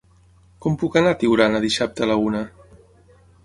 Com puc anar a Tiurana dissabte a la una?